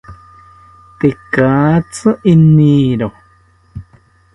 Tekatzi riniro